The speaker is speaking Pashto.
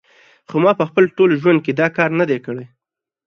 خو ما په خپل ټول ژوند کې دا کار نه دی کړی